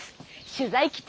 取材基地